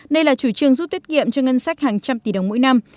đây là chủ trương giúp tiết kiệm cho ngân sách hàng trăm tỷ đồng mỗi năm